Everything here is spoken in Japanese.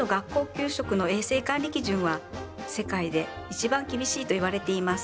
給食の衛生管理基準は世界で一番厳しいといわれています。